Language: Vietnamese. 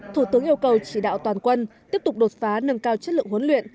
thủ tướng yêu cầu chỉ đạo toàn quân tiếp tục đột phá nâng cao chất lượng huấn luyện